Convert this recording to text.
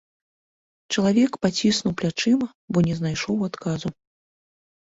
Чалавек паціснуў плячыма, бо не знайшоў адказу.